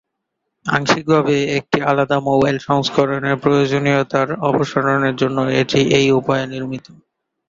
আংশিকভাবে একটি আলাদা মোবাইল সংস্করণের প্রয়োজনীয়তার অপসারণের জন্য এটি এই উপায়ে নির্মিত।